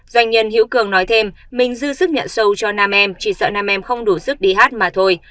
doanh nhân hiễu cường nói thêm mình dư sức nhận sâu cho nam em chỉ sợ nam em không đủ sức đi hát mà thôi